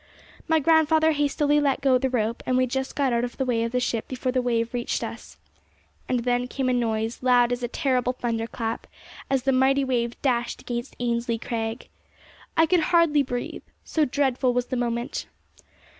My grandfather hastily let go the rope, and we just got out of the way of the ship before the wave reached us. And then came a noise, loud as a terrible thunder clap, as the mighty wave dashed against Ainslie Crag. I could hardly breathe, so dreadful was the moment!